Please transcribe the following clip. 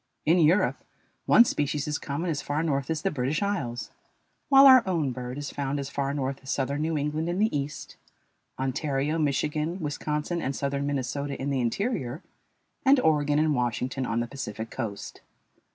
In Europe one species is common as far north as the British Isles, while our own bird is found as far north as southern New England in the East, Ontario, Michigan, Wisconsin, and southern Minnesota in the interior, and Oregon and Washington on the Pacific coast.